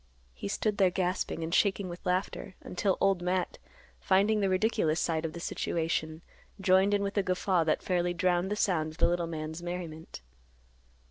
He stood there gasping and shaking with laughter, until Old Matt, finding the ridiculous side of the situation, joined in with a guffaw that fairly drowned the sound of the little man's merriment.